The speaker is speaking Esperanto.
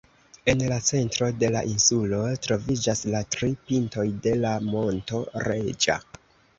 En la centro de la insulo troviĝas la tri pintoj de la monto Reĝa.